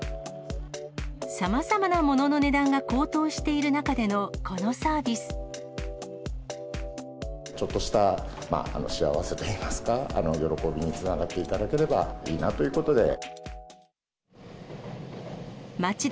さまざまなものの値段が高騰してちょっとした幸せといいますか、喜びにつながっていただければいいなということで。